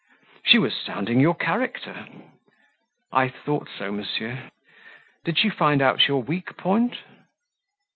"She was sounding your character." "I thought so, monsieur." "Did she find out your weak point?"